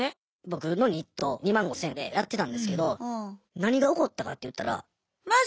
僕の日当２万５，０００円でやってたんですけど何が起こったかっていったら。